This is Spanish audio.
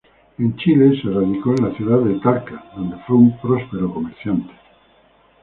En Chile se radicó en la ciudad de Talca, donde fue un próspero comerciante.